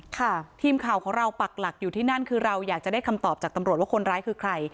ทีมข่าวของเราปักหลักอยู่ที่นั่นคือเราอยากจะได้คำตอบจากตำรวจว่าคนร้ายคือใคร